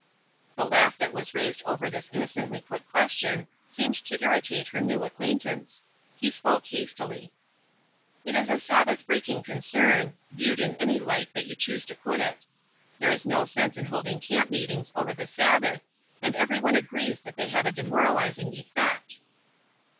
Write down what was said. The laugh that was raised over this innocently put question seemed to irritate her new acquaintance. He spoke hastily. "It is a Sabbath breaking concern, viewed in any light that you choose to put it. There is no sense in holding camp meetings over the Sabbath, and every one agrees that they have a demoralizing effect."